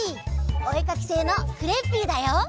おえかきせいのクレッピーだよ！